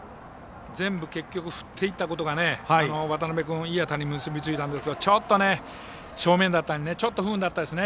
全部、結局振っていったことが渡邊君、いい当たりに結びついたんですけどちょっと正面だったので不運でしたね。